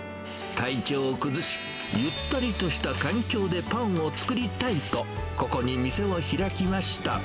体調を崩し、ゆったりとした環境でパンを作りたいと、ここに店を開きました。